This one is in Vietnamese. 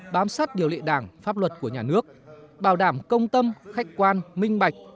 bám sát điều lệ đảng pháp luật của nhà nước bảo đảm công tâm khách quan minh bạch